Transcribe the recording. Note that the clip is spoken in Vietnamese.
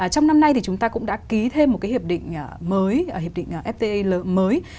trong năm nay thì chúng ta cũng đã ký thêm một cái hiệp định mới hiệp định fta mới